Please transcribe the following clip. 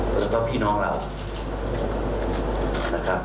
แล้วก็พี่น้องเรานะครับ